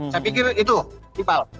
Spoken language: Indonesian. saya pikir itu iqbal